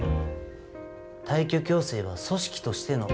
退去強制は組織としての決定です。